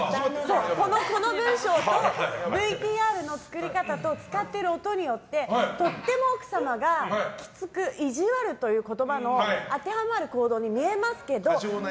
この文章とＶＴＲの作り方と使ってる音によってとても奥様がきつくイジワルという言葉の当てはまる行動に見えますけど。